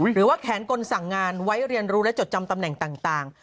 หรือว่าแขนกลสั่งงานไว้เรียนรู้และจดจำตำแหน่งต่าง